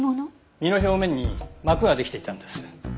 身の表面に膜ができていたんです。